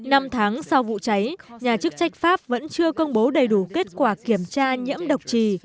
năm tháng sau vụ cháy nhà chức trách pháp vẫn chưa công bố đầy đủ kết quả kiểm tra nhiễm độc trì